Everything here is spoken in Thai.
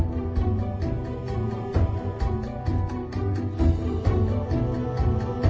พี่มันกลับมาดูว่าว่าจะ